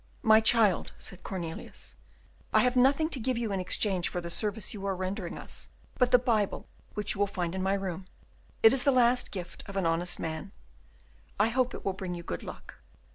"My child," said Cornelius, "I have nothing to give you in exchange for the service you are rendering us but the Bible which you will find in my room; it is the last gift of an honest man; I hope it will bring you good luck."